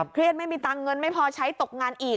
ไม่มีตังค์เงินไม่พอใช้ตกงานอีก